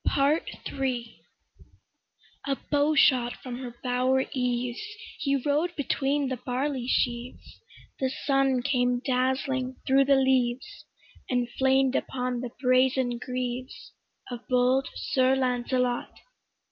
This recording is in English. PART III A bow shot from her bower eaves, He rode between the barley sheaves, The sun came dazzling thro' the leaves, And flamed upon the brazen greaves Of bold Sir Lancelot.